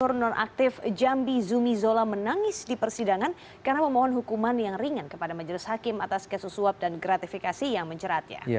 suruh non aktif jambi zumi zola menangis di persidangan karena memohon hukuman yang ringan kepada majelis hakim atas kesusua dan gratifikasi yang menceratnya